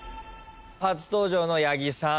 初登場の八木さん